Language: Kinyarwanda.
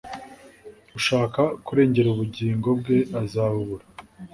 "Ushaka kurengera ubugingo bwe azabubura,